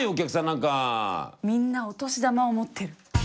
みんなお年玉を持ってる。